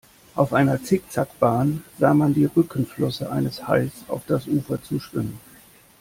Auf einer Zickzack-Bahn sah man die Rückenflosse eines Hais auf das Ufer zuschwimmen.